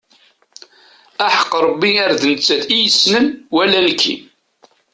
Aḥeqq Rebbi ar d nettat i yessnen wala nekki.